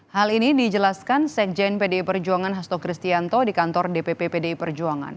hal ini dijelaskan sekjen pdi perjuangan hasto kristianto di kantor dpp pdi perjuangan